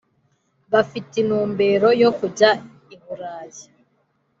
bafite intumbero yo kujya i Buraya